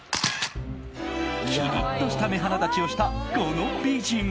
きりっとした目鼻立ちをしたこの美人。